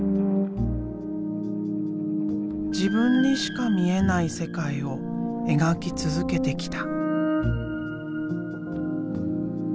自分にしか見えない世界を描き続けてきた。